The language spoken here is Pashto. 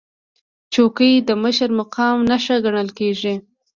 چوکۍ د مشر مقام نښه ګڼل کېږي.